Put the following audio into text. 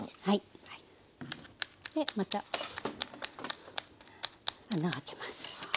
でまた穴を開けます。